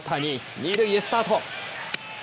２塁へスタート。